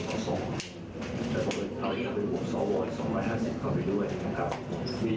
ขนาดประหลาดเขายืนเนี่ยหรือขอได้ส่วนแทน